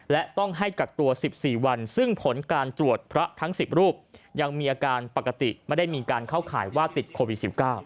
และต้องให้กักตัว๑๔วันซึ่งผลการตรวจพระทั้ง๑๐รูปยังมีอาการปกติไม่ได้มีการเข้าข่ายว่าติดโควิด๑๙